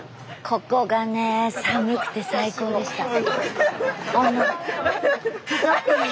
ここがね寒くて最高でした。